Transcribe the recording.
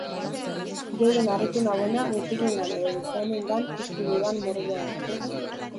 Gehien harritu nauena mutilengan edo gizonengan piztu dudan morboa da.